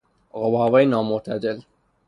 آب و هوای نامعتدل